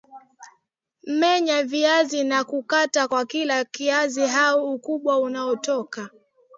Menya viazi na kukata kwa kila kiazi au ukubwa unaotaka